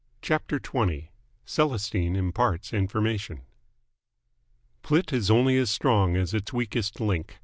CHAPTER XX CELESTINE IMPARTS INFORMATION Plot is only as strong as its weakest link.